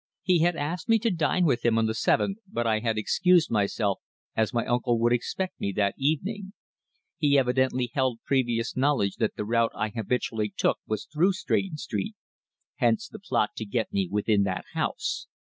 He had asked me to dine with him on the seventh, but I had excused myself as my uncle would expect me that evening. He evidently held previous knowledge that the route I habitually took was through Stretton Street, hence the plot to get me within that house.